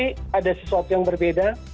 tapi ada sesuatu yang berbeda